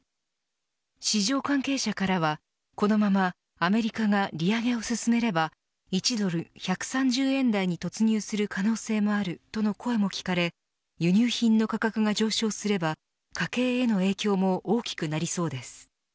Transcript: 市場関係者からはこのままアメリカが利上げを進めれば１ドル１３０円台に突入する可能性もあるとの声も聞かれ輸入品の価格が上昇すれば家計への影響も大きくなりそうです。